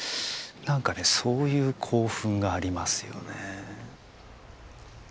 なんかねそういう興奮がありますよね。